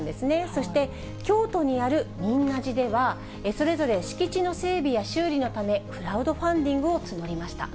そして、京都にある仁和寺では、それぞれ敷地の整備や修理のため、クラウドファンディングを募りました。